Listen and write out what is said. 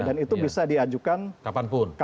dan itu bisa diajukan kapanpun